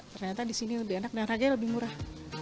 ternyata di sini lebih enak dan harganya lebih murah